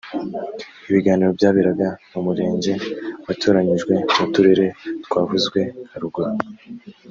ibiganiro byaberaga mu murenge watoranyijwe mu turere twavuzwe haruguru